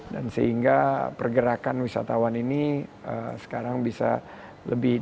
dan sehingga pergerakan wisatawan ini sekarang bisa dikendalikan